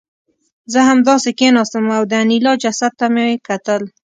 زه همداسې کېناستم او د انیلا جسد ته مې کتل